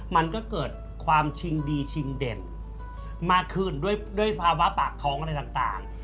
มันก็เกิดความชิงดีชิงเด่นมากขึ้นด้วยภาวะปากท้องอะไรต่าง